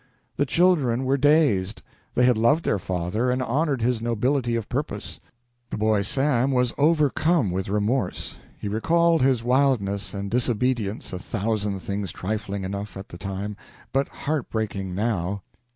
The children were dazed. They had loved their father and honored his nobility of purpose. The boy Sam was overcome with remorse. He recalled his wildness and disobedience a thousand things trifling enough at the time, but heartbreaking now.